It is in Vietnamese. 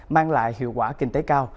mang lại hiệu quả kinh tế cao